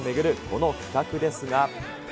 この企画ですが。